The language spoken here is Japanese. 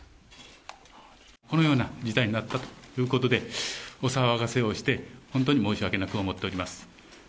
このような事態になったということで、お騒がせをして、本当に申し訳なく思っております。